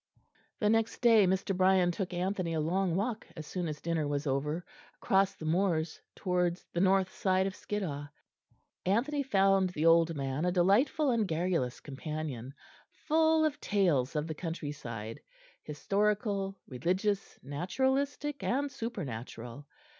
The next day Mr. Brian took Anthony a long walk as soon as dinner was over, across the moors towards the north side of Skiddaw. Anthony found the old man a delightful and garrulous companion, full of tales of the countryside, historical, religious, naturalistic, and supernatural.